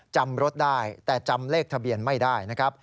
จำรถได้แต่จำเลขทะเบียนไม่ได้นะครับ